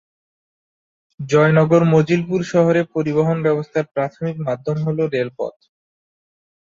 জয়নগর মজিলপুর শহরে পরিবহন ব্যবস্থার প্রাথমিক মাধ্যম হল রেলপথ।